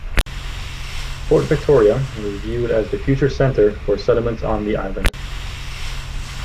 Fort Victoria was viewed as the future center for settlements on the island.